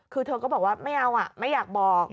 คือเธอก็บอกว่าไม่เอาไม่อยากบอก